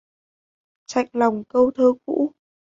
Chạnh lòng câu thơ cũ